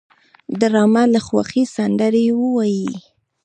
ډرامه له خوښۍ سندرې وايي